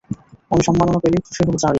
আমি সম্মাননা পেলেই খুশি হবো, চার্লি।